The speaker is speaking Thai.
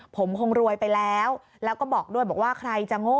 ผมคงรวยไปแล้วแล้วก็บอกด้วยบอกว่าใครจะโง่